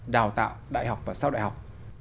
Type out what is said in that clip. đào tạo đại học và sau đại học